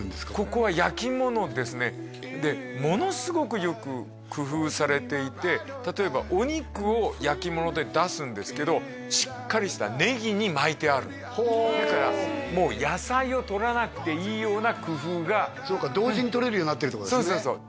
ここは焼き物ですねでものすごくよく工夫されていて例えばお肉を焼き物で出すんですけどしっかりしたネギに巻いてあるだからもうそうか同時にとれるようになってるってことですね